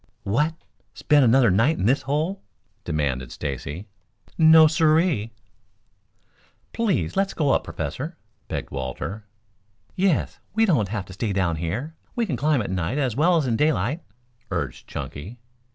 "What, spend another night in this hole?" demanded Stacy. "No, sirree." "Please let us go on up, Professor," begged Walter. "Yes, we don't want to stay down here. We can climb at night as well as in daylight," urged Chunky.